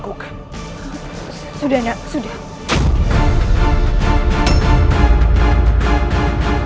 kau mau dicatat ya